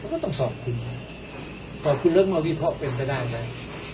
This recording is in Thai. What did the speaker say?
เค้าก็ต้องสอบฝ่าคุณเลิกบีท่อมเป็นไปได้ไง